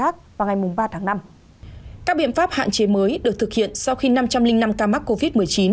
các biện pháp hạn chế mới được thực hiện sau khi năm trăm linh năm ca mắc covid một mươi chín